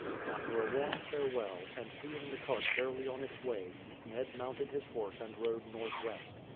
After a warm farewell, and seeing the cart fairly on its way, Ned mounted his horse and rode northwest.